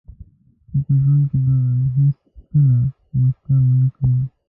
چې په ژوند کې به هیڅکله موسکا ونه کړئ.